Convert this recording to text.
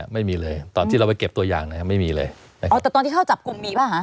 ไม่มีเลยตอนที่เราไปเก็บตัวอย่างนะครับไม่มีเลยอ๋อแต่ตอนที่เข้าจับกลุ่มมีป่ะฮะ